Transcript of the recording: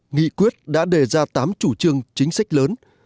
nghị quyết đã đề ra tám chủ trương chính sách lớn